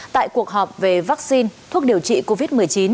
tại cuộc họp về vaccine thuốc điều trị covid một mươi chín